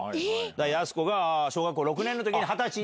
やす子が小学校６年のときに２０歳に。